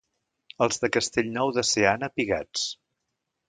Els de Castellnou de Seana, pigats.